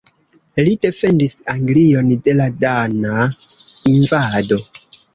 Li defendis Anglion de la dana invado.